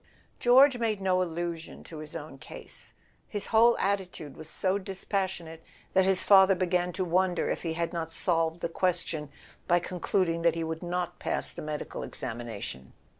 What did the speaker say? George mg,de no allusion to his own case: his whole attitude was so dispassionate that his father began to wonder if he had not solved the question by con [ 31 ] A SON AT THE FRONT eluding that he would not pass the medical examina¬ tion.